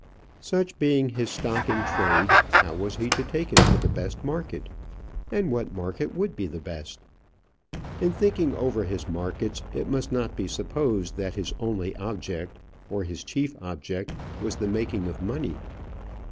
Such being his stock in trade, how was he to take it to the best market? and what market would be the best? In thinking over his markets, it must not be supposed that his only object, or his chief object, was the making of money.